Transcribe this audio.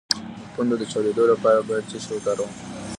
د پوندو د چاودیدو لپاره باید څه شی وکاروم؟